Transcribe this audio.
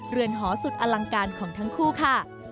เรือนหอสุดอลังการของทั้งคู่ค่ะ